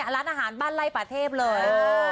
ร้านอาหารบ้านไล่ป่าเทพเลย